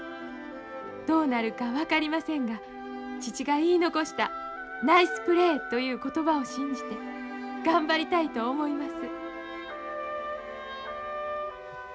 どうなるかわかりませんが、父が言ひ殘した『ナイスプレー』といふ言葉を信じて頑張りたいと思ひます」。